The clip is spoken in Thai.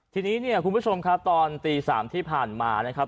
ทีนี้เนี่ยคุณผู้ชมครับตอนตี๓ที่ผ่านมานะครับ